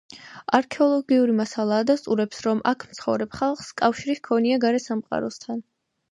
არქეოლოგიური მასალა ადასტურებს, რომ აქ მცხოვრებ ხალხს კავშირი ჰქონია გარე სამყაროსთან.